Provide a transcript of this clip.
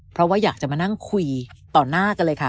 เพราะว่าอยากจะมานั่งคุยต่อหน้ากันเลยค่ะ